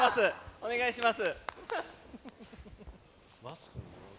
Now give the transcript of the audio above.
お願いします。